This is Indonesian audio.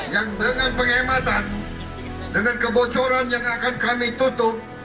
yang dengan penghematan dengan kebocoran yang akan kami tutup